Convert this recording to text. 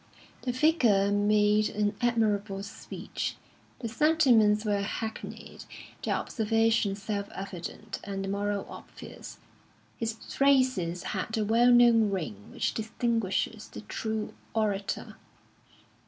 The Vicar made an admirable speech. The sentiments were hackneyed, the observations self evident, and the moral obvious. His phrases had the well known ring which distinguishes the true orator.